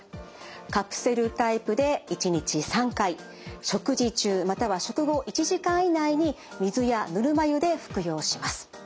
カプセルタイプで１日３回食事中または食後１時間以内に水やぬるま湯で服用します。